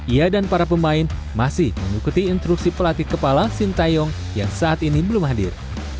ia dan para pemain masih mengikuti instruksi pelatih kepala sintayong yang saat ini belum hadir